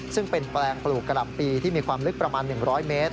ซึ่งเป็นแปลงปลูกกะหล่ำปีที่มีความลึกประมาณ๑๐๐เมตร